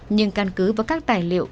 nhưng căn cứ và các tài liệu